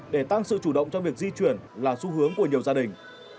để tăng sự chủ động trong việc di chuyển là xu hướng của nhiều gia đình